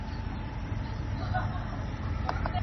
Araya Selassie Yohannes was born by his wife Wolete Selassie.